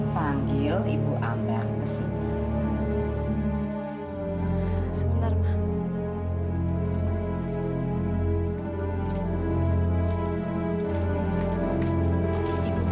panggil ibu amber ke sini